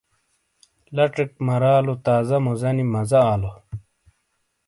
لاچیک مارالو تازہ موزانی مزہ آلو۔